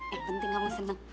yang penting kamu senang